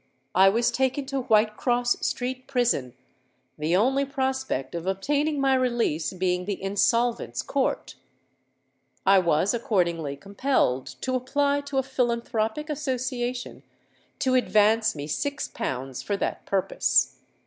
I was taken to Whitecross Street prison, the only prospect of obtaining my release being the Insolvents' Court. I was accordingly compelled to apply to a philanthropic association to advance me six pounds for that purpose.